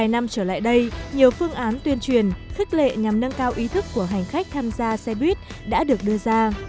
một mươi năm trở lại đây nhiều phương án tuyên truyền khích lệ nhằm nâng cao ý thức của hành khách tham gia xe buýt đã được đưa ra